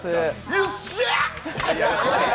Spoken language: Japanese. よっしゃー！